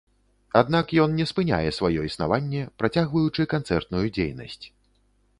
Аднак ён не спыняе сваё існаванне, працягваючы канцэртную дзейнасць.